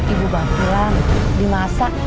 ibu bangkulan dimasak